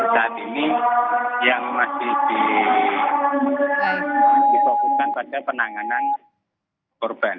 saat ini yang masih difokuskan pada penanganan korban